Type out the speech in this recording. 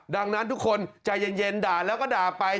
ดังนั้นทุกคนใจเย็นด่าแล้วก็ด่าไป